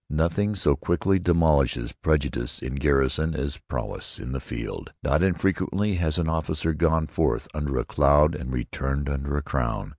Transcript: Nothing so quickly demolishes prejudice in garrison as prowess in the field. Not infrequently has an officer gone forth under a cloud and returned under a crown.